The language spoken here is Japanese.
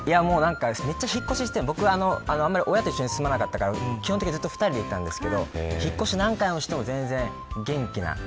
めっちゃ引っ越しして僕はあまり親と住まなかったから基本的にずっと２人でいたんですけど引っ越し何回もしても全然元気な。